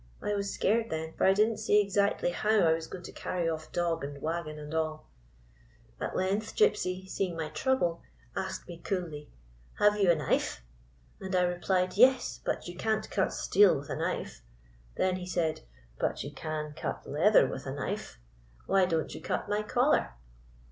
I was scared then ; for I did n't see exactly how I was going to carry off dog and wagon and all. " At length Gypsy, seeing my trouble, asked me coolly: 4 Have you a knife?' And I re plied : 4 Yes ; but you can't cut steel with a 222 THE BATTLE IN THE WOODS knife/ Then he said :' But you can cut leather with a knife. Why don't you cut my collar?